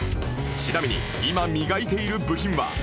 ちなみに今磨いている部品は